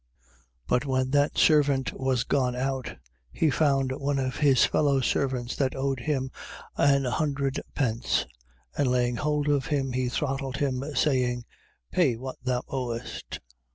18:28. But when that servant was gone out, he found one of his fellow servants that owed him an hundred pence: and laying hold of him, he throttled him, saying: Pay what thou owest.